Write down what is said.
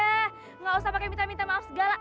enggak usah pakai minta minta maaf segala